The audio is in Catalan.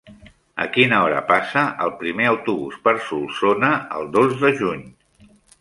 A quina hora passa el primer autobús per Solsona el dos de juny?